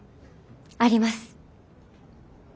あります。